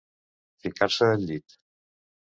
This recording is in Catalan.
Ficar-se al llit.